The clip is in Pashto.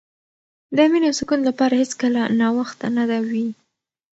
د مینې او سکون لپاره هېڅکله ناوخته نه وي.